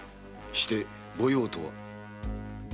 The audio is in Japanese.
してご用とは？